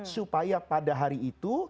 supaya pada hari itu